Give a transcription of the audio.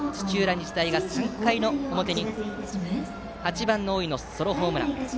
日大が３回の表に８番、大井のソロホームラン。